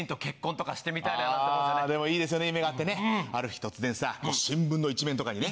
ある日突然さ新聞の一面とかにね。